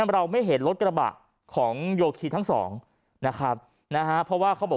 เราไม่เห็นรถกระบะของโยคีทั้งสองนะครับนะฮะเพราะว่าเขาบอก